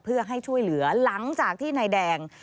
เพื่อให้ช่วยเหลือหลังจากที่นายแดง